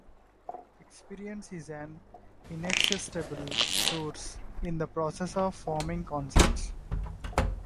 Experience is an inexhaustible source in the process of forming concepts.